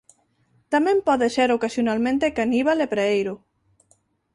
Tamén pode ser ocasionalmente caníbal e preeiro.